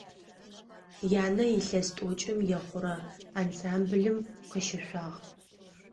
Янэ илъэс тӏокӏым ехъурэ ансамблым къыщышъуагъ.